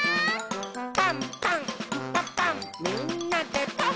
「パンパンんパパンみんなでパン！」